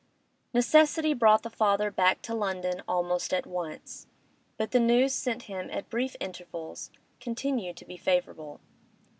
Necessity brought the father back to London almost at once, but the news sent him at brief intervals continued to be favourable.